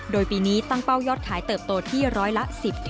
โดยปีนี้ตั้งเป้ายอดขายเติบโตที่ร้อยละ๑๐